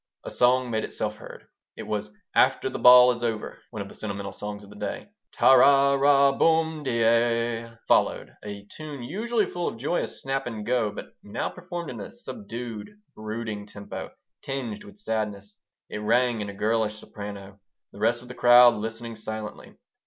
A song made itself heard. It was "After the Ball is Over," one of the sentimental songs of that day. "Tara ra boom de aye" followed, a tune usually full of joyous snap and go, but now performed in a subdued, brooding tempo, tinged with sadness. It rang in a girlish soprano, the rest of the crowd listening silently.